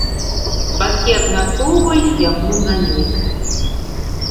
Бакі абмяркоўвалі яму замену.